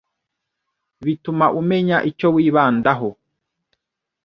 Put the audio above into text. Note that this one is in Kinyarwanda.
bituma umenya icyo wibandaho